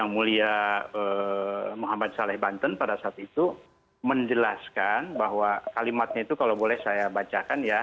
mulia muhammad saleh banten pada saat itu menjelaskan bahwa kalimatnya itu kalau boleh saya bacakan ya